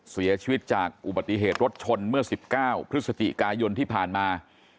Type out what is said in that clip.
เสียชีวิตจากอุบัติเหตุรถชนเมื่อ๑๙พฤศจิกายนที่ผ่านมา